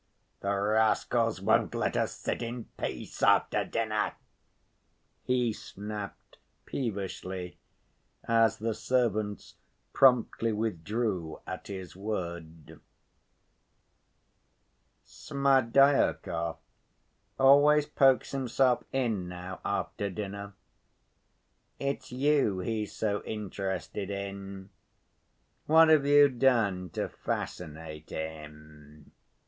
The rascals won't let us sit in peace after dinner," he snapped peevishly, as the servants promptly withdrew at his word. "Smerdyakov always pokes himself in now, after dinner. It's you he's so interested in. What have you done to fascinate him?"